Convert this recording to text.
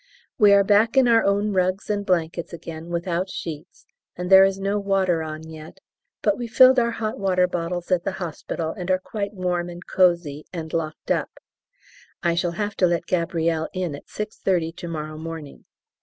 We are back in our own rugs and blankets again without sheets, and there is no water on yet, but we filled our hot water bottles at the hospital, and are quite warm and cosy, and locked up I shall have to let Gabrielle in at 6.30 to morrow morning.